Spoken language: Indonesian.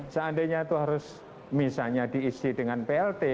seandainya itu harus misalnya diisi dengan plt